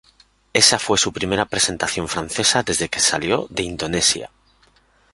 Esa fue su primera presentación francesa desde que salió de Indonesia.